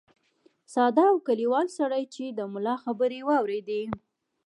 ساده او کلیوال سړي چې د ملا خبرې واورېدې.